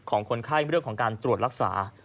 ของคนไข้เรื่องของการตรวจรักษา